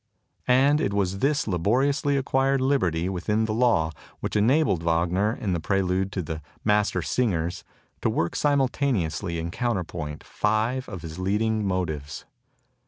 And it was this laboriously acquired liberty within the law which enabled Wagner in the prelude to the 'Master Singers' to work simultaneously in counterpoint five of his leading motives.